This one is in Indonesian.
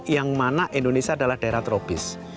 yang mana indonesia adalah daerah tropis